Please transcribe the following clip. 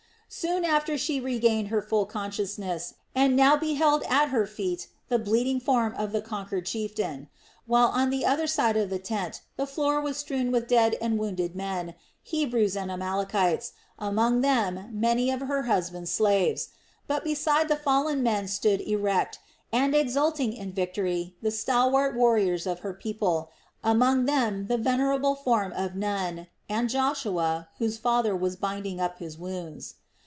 Soon after she regained her full consciousness, and now beheld at her feet the bleeding form of the conquered chieftain; while on the other side of the tent the floor was strewed with dead and wounded men, Hebrews and Amalekites, among them many of her husband's slaves. But beside the fallen men stood erect, and exulting in victory, the stalwart warriors of her people, among them the venerable form of Nun, and Joshua, whose father was binding up his wounds.